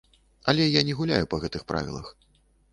Але я не гуляю па гэтых правілах.